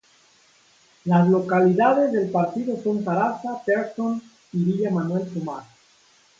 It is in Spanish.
Las localidades del partido son Sarasa, Pearson y Villa Manuel Pomar.